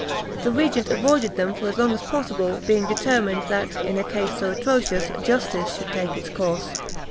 The regent avoided them as long as possible, being determined that, in a case so atrocious, justice should take its course.